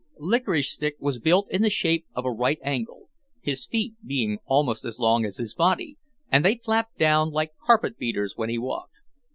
Licorice Stick was built in the shape of a right angle, his feet being almost as long as his body and they flapped down like carpet beaters when he walked.